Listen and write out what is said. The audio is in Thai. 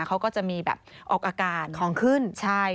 เขาก็จะมีแบบออกอากาศของขึ้นใช่